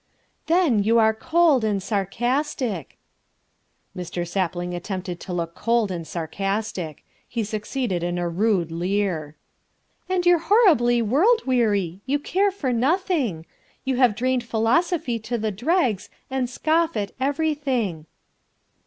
"Then you are cold and sarcastic." Mr. Sapling attempted to look cold and sarcastic. He succeeded in a rude leer. "And you're horribly world weary, you care for nothing. You have drained philosophy to the dregs, and scoff at everything."